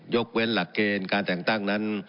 ยกเว้นหลักเกณฑ์การแต่งตั้งนั้น